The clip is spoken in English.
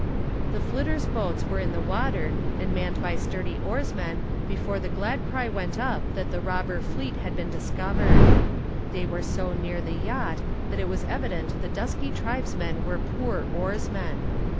The "Flitter's" boats were in the water and manned by sturdy oarsmen before the glad cry went up that the robber fleet had been discovered. They were so near the yacht that it was evident the dusky tribesmen were poor oarsmen.